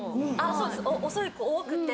そうです遅い子多くて。